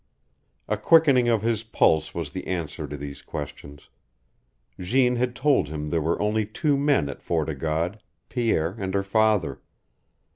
A quickening of his pulse was the answer to these questions. Jeanne had told him there were only two men at Fort o' God, Pierre and her father.